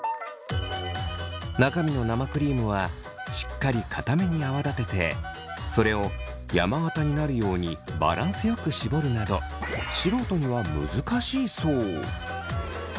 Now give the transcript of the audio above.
中身の生クリームはしっかりかために泡立ててそれを山形になるようにバランスよく絞るなど素人には難しいそう。